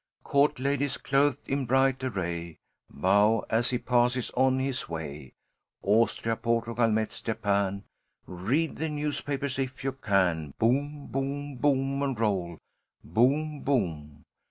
Court ladies clothed in bright array Bow as he passes on his way. Austria, Portugal, Metz, Japan, Read the newspapers, if you can. Boom, boom, boom, and roll. Boom, boom.